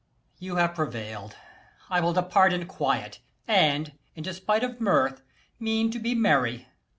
_ You have prevail'd: I will depart in quiet, And, in despite of mirth, mean to be merry.